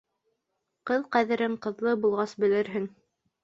Ҡыҙ ҡәҙерен ҡыҙлы булғас белерһең